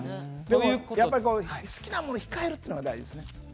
好きなものを控えるのが大事です。